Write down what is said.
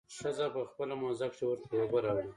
ښځه په خپله موزه کښې ورته اوبه راوړي.